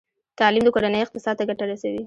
تعلیم د کورنۍ اقتصاد ته ګټه رسوي۔